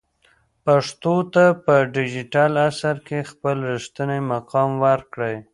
پښتو ته په ډیجیټل عصر کې خپل رښتینی مقام ورکړئ.